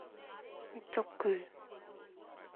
미쳤군!